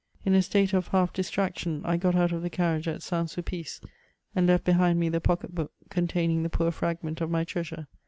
In a state of half dis traction I got out of the carriage at St Sulpice, and left be hind me the pocket book contsuning tiie poor fragment of my treasure.